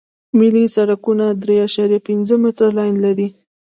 ملي سرکونه درې اعشاریه پنځه متره لاین لري